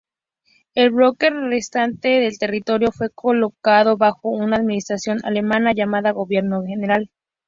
El bloque restante del territorio fue colocado bajo una administración alemana llamada Gobierno General.